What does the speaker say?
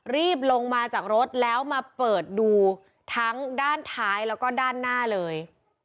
รีบลงมาจากรถแล้วมาเปิดดูทั้งด้านท้ายแล้วก็ด้านหน้าเลย